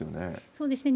そうですね。